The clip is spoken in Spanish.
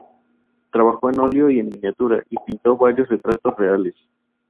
Trabajó en óleo y en miniatura y pintó varios retratos reales.